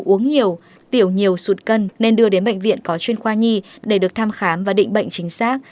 uống nhiều tiểu nhiều sụt cân nên đưa đến bệnh viện có chuyên khoa nhi để được thăm khám và định bệnh chính xác